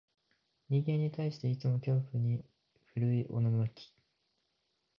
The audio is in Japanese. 人間に対して、いつも恐怖に震いおののき、